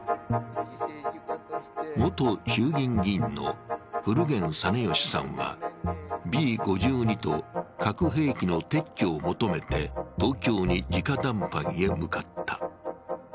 元衆議院議員の古堅実吉さんはＢ５２と核兵器の撤去を求めて東京に直談判へ向かった。